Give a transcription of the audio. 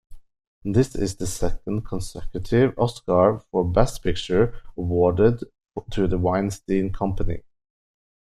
This is the second consecutive Oscar for Best Picture awarded to the Weinstein Company.